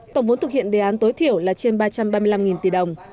tổng vốn thực hiện đề án tối thiểu là trên ba trăm ba mươi năm tỷ đồng